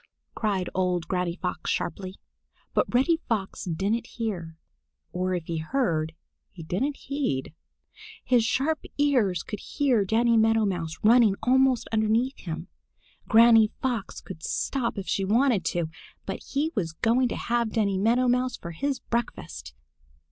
cried old Granny Fox sharply. But Reddy Fox didn't hear, or if he heard he didn't heed. His sharp ears could hear Danny Meadow Mouse running almost underneath him. Granny Fox could stop if she wanted to, but he was going to have Danny Meadow Mouse for his breakfast!